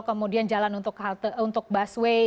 kemudian jalan untuk busway